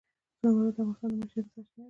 زمرد د افغانانو د معیشت سرچینه ده.